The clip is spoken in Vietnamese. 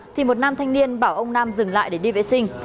thì một nam thanh niên bảo ông nam dừng lại để đi vệ sinh